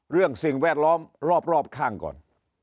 เรื่องสิ่งแวดล้อมรอบข้างก่อน